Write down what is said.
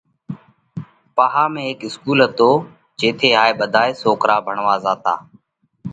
پاها ۾ هيڪ اِسڪُول هتو جيٿئہ هائي ٻڌائي سوڪرا ڀڻوا زاتا۔